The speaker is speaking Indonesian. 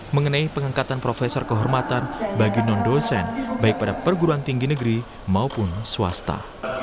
mengenai pengangkatan profesor kehormatan bagi non dosen baik pada perguruan tinggi negeri maupun swasta